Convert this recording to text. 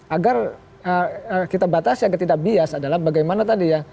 agar kita batasi agar tidak bias adalah bagaimana tadi ya